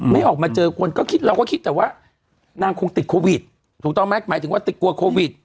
ไม่ออกมาเจอคนก็คิดเราก็คิดแต่ว่านางคงติดโควิดถูกต้องไหมหมายถึงว่าติดกลัวโควิด